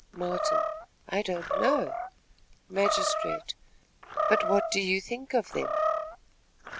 Martin. "I don't know." Magistrate. "But what do you think of them?"